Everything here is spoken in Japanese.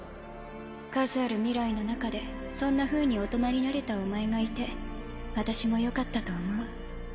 数ある未来の中でそんなふうに大人になれたお前がいて私もよかったと思う。